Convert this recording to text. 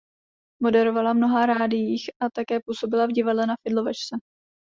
Moderovala v mnoha rádiích a také působila v Divadle Na Fidlovačce.